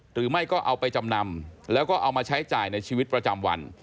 หรือไม่ก็เอาไปจำนำแล้วก็เอามาใช้จ่ายในชีวิตประจำวัน